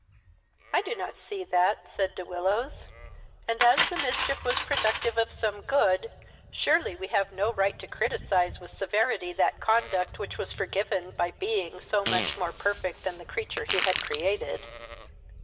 "I do not see that, (said De Willows;) and, as the mischief was productive of some good, surely we have no right to criticise with severity that conduct which was forgiven by Being so much more perfect than the creature he had created."